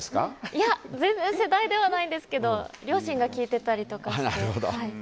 いや、全然世代ではないんですけど両親が聴いてたりとかして。